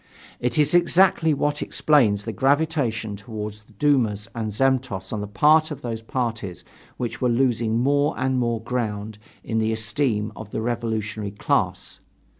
This is exactly what explains the gravitation toward dumas and zemstvos on the part of those parties which were losing more and more ground in the esteem of the revolutionary class.